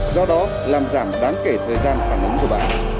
do đó làm giảm đáng kể thời gian phản ứng của bạn